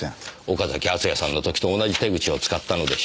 岡崎敦也さんの時と同じ手口を使ったのでしょう。